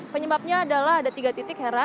penyebabnya adalah ada tiga titik hera